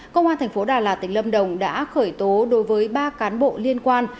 công an thành phố đà lạt tỉnh lâm đồng đã khởi tố đối với ba cán bộ liên quan